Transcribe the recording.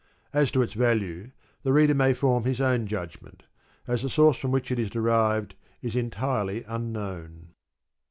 As to its value, the reader may form his own judgment, as the source from which it is derived is entirely unknown.